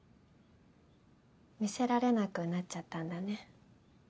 見せられなくなっちゃったんだね。